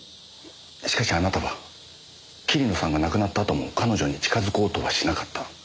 しかしあなたは桐野さんが亡くなったあとも彼女に近づこうとはしなかった。